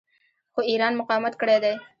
خو ایران مقاومت کړی دی.